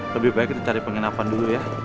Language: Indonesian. lebih baik kita cari penginapan dulu ya